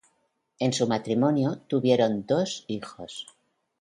En su matrimonio tuvieron dos hijos...